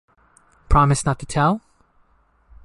Promise not to tell?